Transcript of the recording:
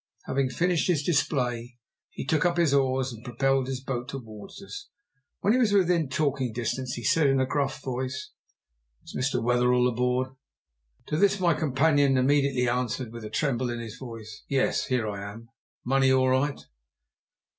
Having finished his display, he took up his oars and propelled his boat towards us. When he was within talking distance he said in a gruff voice: "Is Mr. Wetherell aboard?" To this my companion immediately answered, with a tremble in his voice, "Yes, here I am!" "Money all right?"